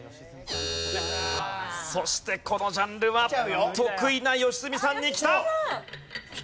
そしてこのジャンルは得意な良純さんにきた！